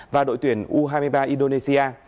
và đội tuyển u hai mươi ba indonesia